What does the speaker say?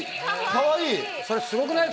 かわいい。